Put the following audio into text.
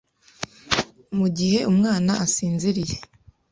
mu gihe umwana asinziriye